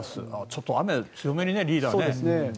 ちょっと雨、強めにねリーダー。